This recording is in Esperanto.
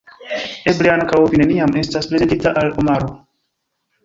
Eble ankaŭ vi neniam estas prezentita al Omaro.